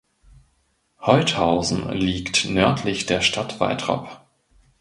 Holthausen liegt nördlich der Stadt Waltrop.